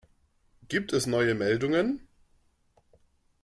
Gibt es neue Meldungen?